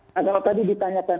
nah kalau tadi ditanyakan